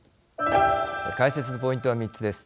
解説のポイントは３つです。